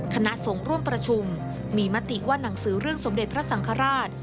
คณะสงฆ์ร่วมประชุมมีมติว่าหนังสือเรื่องสมเด็จพระสังฆราช